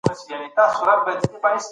که تحقیق نه وي حقیقت نه معلوميږي.